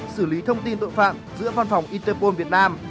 xử lý thông tin tội phạm giữa văn phòng interpol việt nam